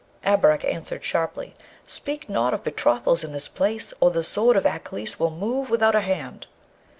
Abarak answered sharply, 'Speak not of betrothals in this place, or the sword of Aklis will move without a hand!'